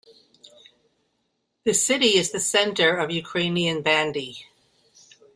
The city is the centre of Ukrainian bandy.